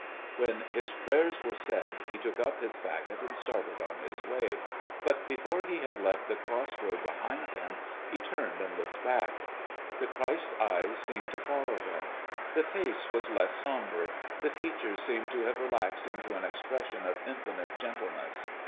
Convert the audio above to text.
When his prayers were said, he took up his fagot and started on his way; but before he had left the cross road behind him, he turned and looked back. The Christ's eyes seemed to follow him. The face was less sombre; the features seemed to have relaxed into an expression of infinite gentleness.